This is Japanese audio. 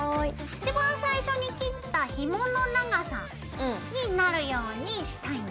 一番最初に切ったひもの長さになるようにしたいんだ。